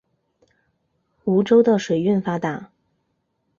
梧州的水运发达。